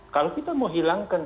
kalau kita mau hilangkan